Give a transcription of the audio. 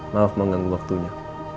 maaf mengganggu waktunya